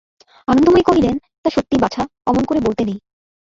আনন্দময়ী কহিলেন, তা সত্যি বাছা, অমন করে বলতে নেই।